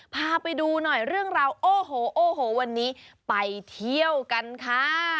พาไปดูหน่อยเรื่องราวโอ้โหโอ้โหวันนี้ไปเที่ยวกันค่ะ